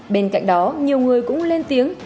bên cạnh đó nhiều người cũng lên tiếng